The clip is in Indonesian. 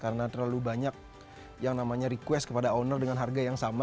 karena terlalu banyak yang namanya request kepada owner dengan harga yang sama